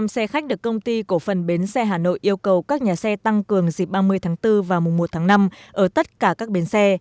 một mươi xe khách được công ty cổ phần bến xe hà nội yêu cầu các nhà xe tăng cường dịp ba mươi tháng bốn và mùa một tháng năm ở tất cả các bến xe